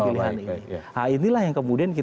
pilihan ini nah inilah yang kemudian